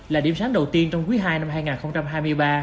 là điểm sáng đầu tiên trong quý ii năm hai nghìn hai mươi ba